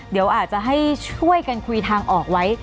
เดี๋ยวอาจจะให้ช่วยกันคุยทางออกไว้